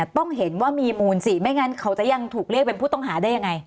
ต้องเห็นว่ามีมูลสิไม่งั้นเขาจะยังถูกเรียกเป็นผู้ต้องหาได้ยังไง